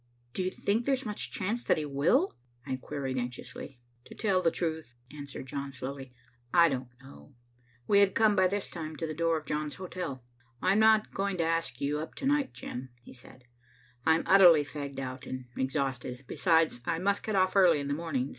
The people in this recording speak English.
"Do you think there's much chance that he will?" I queried anxiously. "To tell the truth," answered John slowly, "I don't know." We had come by this time to the door of John's hotel. "I'm not going to ask you up to night, Jim," he said, "I'm utterly fagged out and exhausted. Besides, I must get off early in the morning.